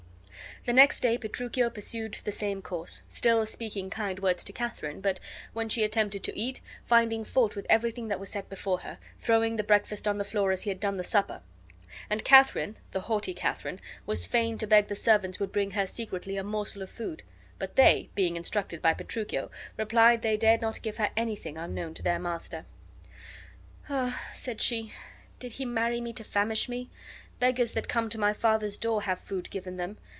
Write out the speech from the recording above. The next day Petruchio pursued the same course, still speaking kind words to Katharine, but, when she attempted to eat, finding fault with everything that was set before her, throwing the breakfast on the floor as he had done the supper; and Katharine, the haughty Katharine, was fain to beg the servants would bring her secretly a morsel of food; but they, being instructed by Petruchio, replied they dared not give her anything unknown to their master. "Ah," said she, "did he marry me to famish me? Beggars that come to my father's door have food given them.